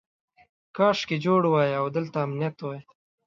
کاشکې جوړ وای او دلته امنیت وای.